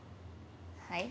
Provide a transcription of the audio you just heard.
はい？